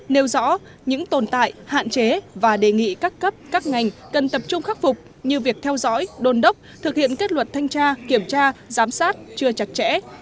nêu rõ những tồn tại hạn chế và đề nghị các cấp các ngành cần tập trung khắc phục như việc theo dõi đôn đốc thực hiện kết luật thanh tra kiểm tra giám sát chưa chặt chẽ